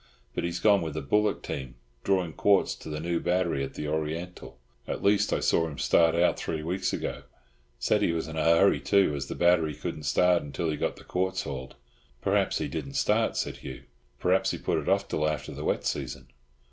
But he's gone with a bullock team, drawing quartz to the new battery at the Oriental. At least I saw him start out three weeks ago. Said he was in a hurry, too, as the battery couldn't start until he got the quartz hauled." "Perhaps he didn't start," said Hugh; "perhaps he put it off till after the wet season?"